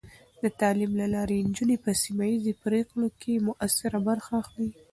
د تعلیم له لارې، نجونې په سیمه ایزې پرېکړو کې مؤثره برخه اخلي.